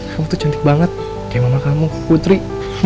kamu tuh cantik banget kayak mama kamu putri